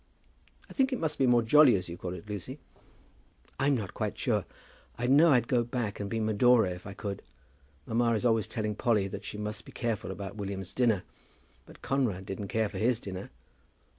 "I think it must be more jolly, as you call it, Lucy." "I'm not quite sure. I know I'd go back and be Medora, if I could. Mamma is always telling Polly that she must be careful about William's dinner. But Conrad didn't care for his dinner.